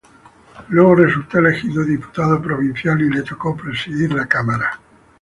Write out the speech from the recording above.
Luego resultó elegido diputado provincial, y le tocó presidir la Cámara.